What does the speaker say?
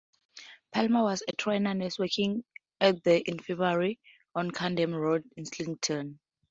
Palmer was a trained nurse working at The Infirmary on Camden Road, Islington.